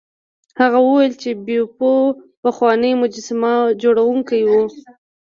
هغه وویل چې بیپو پخوانی مجسمه جوړونکی و.